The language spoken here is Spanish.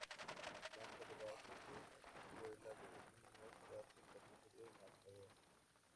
La planta de abajo fue escuela de niñas, cárcel y carnicería matadero.